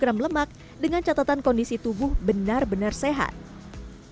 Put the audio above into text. artinya seseorang yang mengonsumsi seribu lima ratus kalori per hari bisa mengonsumsi sekitar empat puluh gram luka